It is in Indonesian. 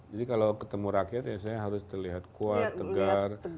jadi kalau ketemu rakyat ya saya harus terlihat kuat tegar